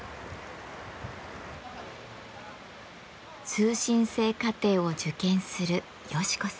通信制課程を受験するヨシ子さん。